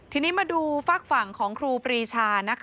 ทีนี้มาดูฝากฝั่งของครูปรีชา